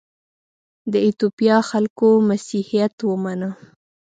د ایتوپیا خلکو مسیحیت ومانه.